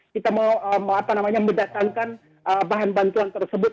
kita mau mendatangkan bahan bantuan tersebut